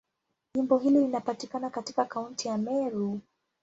Jimbo hili linapatikana katika Kaunti ya Meru.